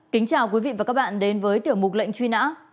kính chào quý vị và các bạn đến với tiểu mục lệnh truy nã